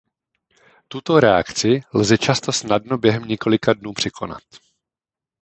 Tuto reakci lze často snadno během několika dnů překonat.